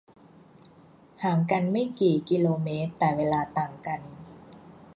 ห่างกันไม่กี่ กม แต่เวลาต่างกัน